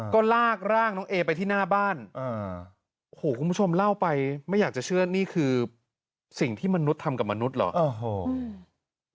ก็ลากร่างน้องเอไปที่หน้าบ้านโอ้โหคุณผู้ชมเล่าไปไม่อยากจะเชื่อนี่คือสิ่งที่มนุษย์ทำกับมนุษย์เหรอ